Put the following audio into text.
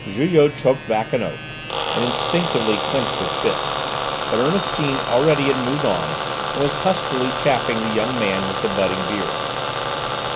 '" Julot choked back an oath, and instinctively clenched his fist, but Ernestine already had moved on and was huskily chaffing the young man with the budding beard.